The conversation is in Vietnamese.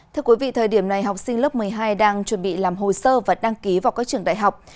thưa quý vị thời điểm này học sinh lớp một mươi hai đang chuẩn bị làm hồ sơ và đăng ký vào các trường đại học